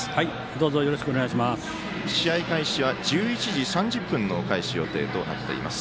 試合開始は１１時３０分の開始予定となっています。